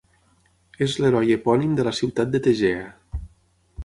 És l'heroi epònim de la ciutat de Tegea.